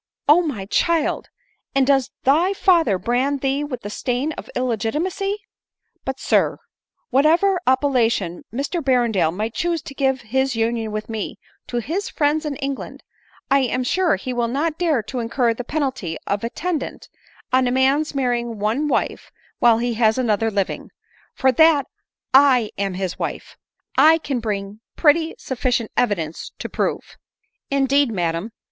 " Oh my child ! and does thy father brand thee with the stab of illegitimacy ?— But, sir, whatever appellation Mr Berrendale might choose to give his union with me to his friends in England, I am sure he ' will not dare to incur the penalty attendant on a man's marrying one wife while he has another living ; for, that [ am his wife, I can bring pretty sufficient evidence to prove." " Indeed, madam